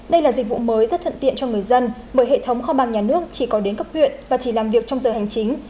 đây là dịch vụ mới rất thuận tiện cho người dân bởi hệ thống kho bạc nhà nước chỉ có đến cấp huyện và chỉ làm việc trong giờ hành chính